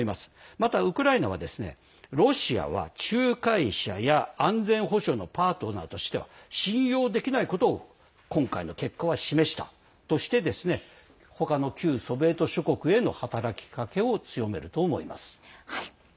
またウクライナはロシアは仲介者や安全保障のパートナーとしては信用できないことを今回の結果は示したとして他の旧ソビエト諸国への働きかけを強めると思います。